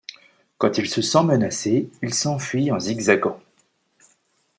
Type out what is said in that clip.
Quand il se sent menacé, il s'enfuit en zigzagant.